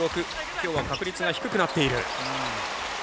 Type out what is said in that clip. きょうは確率が低くなっている。